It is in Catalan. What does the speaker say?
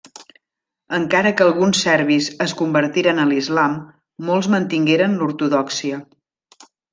Encara que alguns serbis es convertiren a l'Islam, molts mantingueren l'ortodòxia.